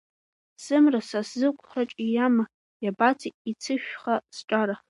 Сымра са сызқәараҿ ииама, иабацеи иццышәха сҿара?